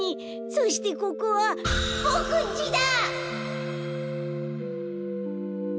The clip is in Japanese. そしてここはボクんちだ！